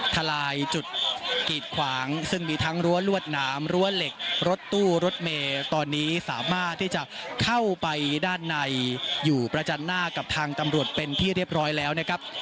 ทลายจุดกีดขวางซึ่งมีทั้งรั้วลวดหนามรั้วเหล็กรถตู้รถเมย์ตอนนี้สามารถที่จะเข้าไปด้านในอยู่ประจันหน้ากับทางตำรวจเป็นที่เรียบร้อยแล้วนะครับ